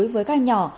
với các anh nhỏ